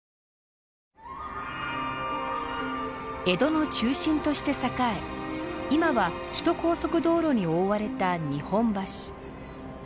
江戸の中心として栄え今は首都高速道路に覆われた日本橋。